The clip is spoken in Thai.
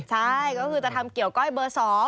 ใช่ก็คือจะทำเกี่ยวก้อยเบอร์๒